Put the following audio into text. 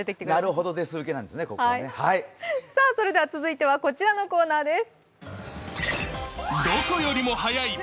それでは続いてはこちらのコーナーです。